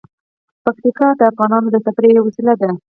پکتیکا د افغانانو د تفریح یوه وسیله ده.